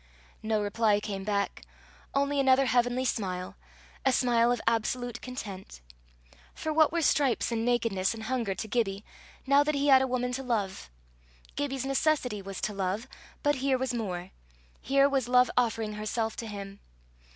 No reply came back only another heavenly smile, a smile of absolute content. For what were stripes and nakedness and hunger to Gibbie, now that he had a woman to love! Gibbie's necessity was to love; but here was more; here was Love offering herself to him!